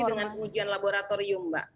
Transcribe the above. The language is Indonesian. dengan pengujian laboratorium mbak